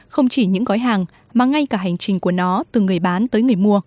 không chỉ những gói hàng mà ngay cả hành trình của nó từ người bán tới người mua